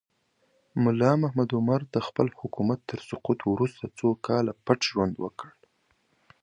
ملا محمد عمر د خپل حکومت تر سقوط وروسته څو کاله پټ ژوند وکړ.